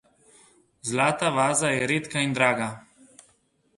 Zlata vaza je redka in draga.